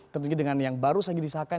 tentunya dengan yang baru saja disahkan